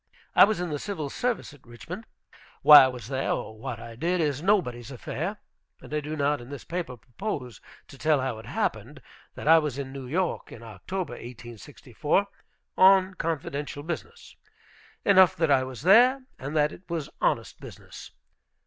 I was in the Civil Service at Richmond. Why I was there, or what I did, is nobody's affair. And I do not in this paper propose to tell how it happened that I was in New York in October, 1864, on confidential business. Enough that I was there, and that it was honest business.